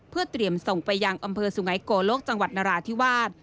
เพื่อเตรียมส่งไปยังอำเภอสุไงโกโลกจังหวัดนราธิวาส